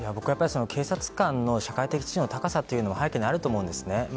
警察官の社会的地位の高さというのも背景にあると思うんです。